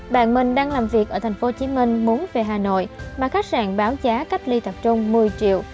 bạn mình đang làm việc ở tp hcm muốn về hà nội mà khách sạn báo chí cách ly tập trung một mươi triệu